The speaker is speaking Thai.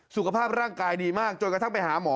สุขภาพร่างกายดีมากจนกระทั่งไปหาหมอ